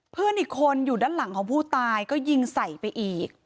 เพื่อนอีกคนอยู่ด้านหลังของผู้ตายก็ยิงใส่ไปอีก